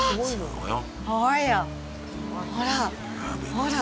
ほら。